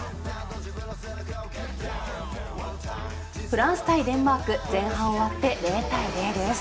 フランス対デンマーク前半を終わって０対０です。